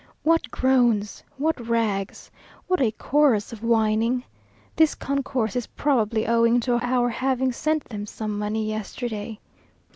What groans! what rags! what a chorus of whining! This concourse is probably owing to our having sent them some money yesterday.